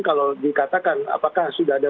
kalau dikatakan apakah sudah ada